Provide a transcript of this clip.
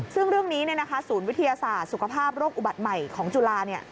ซึ่งเรื่องนี้ศูนย์วิทยาศาสตร์สุขภาพโรคอุบัติใหม่ของจุฬา